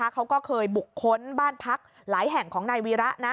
เขาก็เคยบุกค้นบ้านพักหลายแห่งของนายวีระนะ